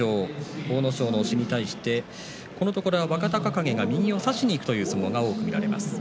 阿武咲の押しに対してこのところは若隆景が右を差しにいく相撲が多く見られます。